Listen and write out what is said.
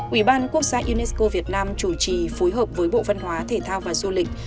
ủy ban quốc gia unesco việt nam chủ trì phối hợp với bộ văn hóa thể thao và du lịch